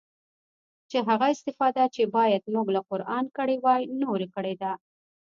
چې هغه استفاده چې بايد موږ له قرانه کړې واى نورو کړې ده.